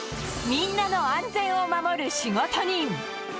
みんなの安全を守る仕事人。